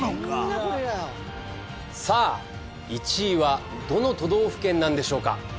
さあ１位はどの都道府県なんでしょうか？